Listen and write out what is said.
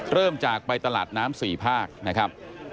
เริ่มจากไปตลาดน้ำ๔ภาคนะครับ